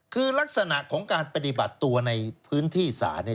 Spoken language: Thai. คือลักษณะของการปฏิบัติตัวในพื้นที่ศาลเนี่ย